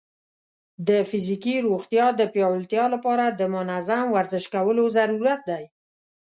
د فزیکي روغتیا د پیاوړتیا لپاره د منظم ورزش کولو ضرورت دی.